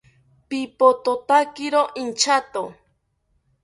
Pipothotakiro inchato